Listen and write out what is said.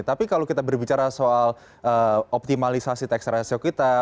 tapi kalau kita berbicara soal optimalisasi tax ratio kita